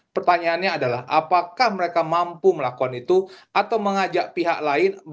pertanyaannya adalah apakah mereka mampu melakukan itu atau mengajak pihak lain